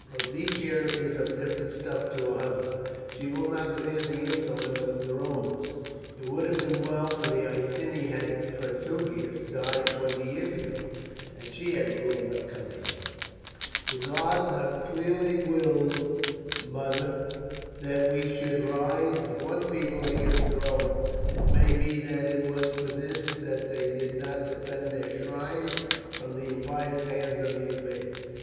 Boadicea is of different stuff to her husband; she will not bear the insolence of the Romans. It would have been well for the Iceni had Prasutagus died twenty years ago and she had ruled our country." "The gods have clearly willed, mother, that we should rise as one people against the Romans. It may be that it was for this that they did not defend their shrines from the impious hands of the invaders.